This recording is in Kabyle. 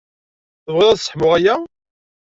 Tebɣiḍ ad sseḥmuɣ aya?